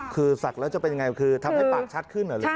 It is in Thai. คือสักแล้วจะเป็นอย่างไรทำให้ปากชัดขึ้นเหรอ